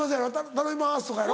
「頼みます」とかやろ。